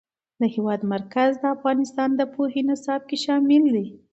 د هېواد مرکز د افغانستان د پوهنې نصاب کې شامل دی.